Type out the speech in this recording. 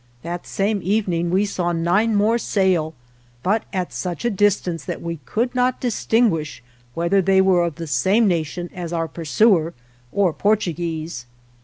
That same evening we saw nine more sail, but at such a distance that we could not distinguish whether they were of the same nation as our pursuer, or Portu guese.